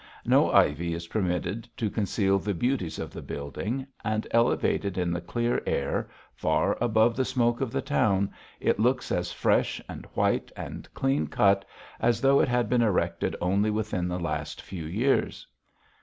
No ivy is permitted to conceal the beauties of the building; and elevated in the clear air, far above the smoke of the town, it looks as fresh and white and clean cut as though it had been erected only within the last few years.